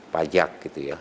pajak gitu ya